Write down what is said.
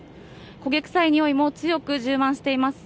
焦げ臭いにおいも強く充満しています。